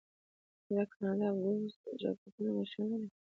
آیا د کاناډا ګوز جاکټونه مشهور نه دي؟